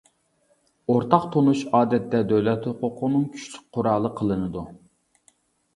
ئورتاق تونۇش ئادەتتە دۆلەت ھوقۇقىنىڭ كۈچلۈك قورالى قىلىنىدۇ.